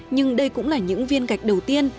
nhưng đây cũng là những viên gạch đầu tiên